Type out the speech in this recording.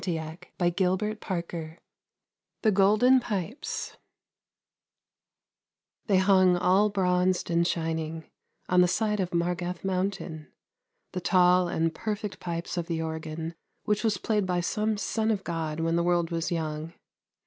PARABLES OF A PROVINCE THE GOLDEN PIPES THEY hung all bronzed and shining, on the side of Margath Mountain — the tall and perfect pipes of the organ which was played by some son of God when the world was young.